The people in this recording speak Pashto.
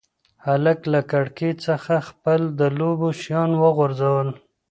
هلک له کړکۍ څخه خپل د لوبو شیان وغورځول.